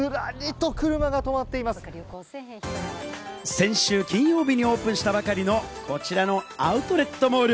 先週金曜日にオープンしたばかりのこちらのアウトレットモール。